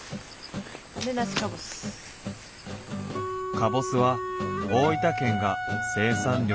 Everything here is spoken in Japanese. かぼすは大分県が生産量全国１位。